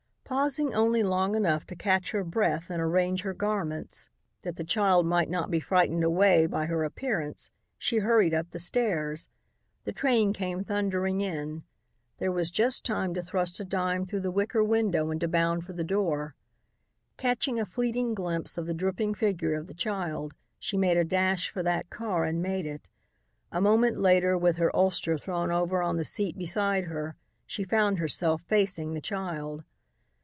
Pausing only long enough to catch her breath and arrange her garments that the child might not be frightened away by her appearance, she hurried up the stairs. The train came thundering in. There was just time to thrust a dime through the wicker window and to bound for the door. Catching a fleeting glimpse of the dripping figure of the child, she made a dash for that car and made it. A moment later, with her ulster thrown over on the seat beside her, she found herself facing the child.